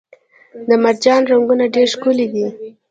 د مرجان رنګونه ډیر ښکلي دي